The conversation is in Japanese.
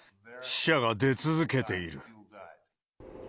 死者が出続けている。